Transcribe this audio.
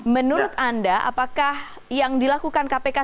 menurut anda apakah yang dilakukan kpk sekarang itu